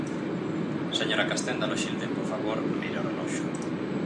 Señora Castenda Loxilde, por favor, mire o reloxo.